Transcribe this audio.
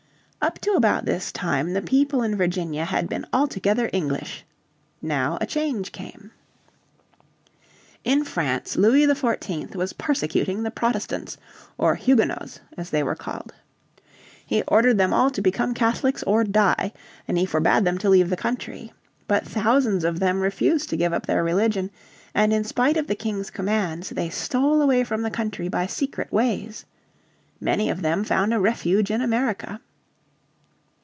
Up to about this time the people in Virginia had been altogether English. Now a change came. In France Louis XIV was persecuting the Protestants, or Huguenots, as they were called. He ordered them all to become Catholics or die, and he forbade them to leave the country. But thousands of them refused to give up their religion, and in spite of the King's commands they stole away from the country by secret ways. Many of them found a refuge in America.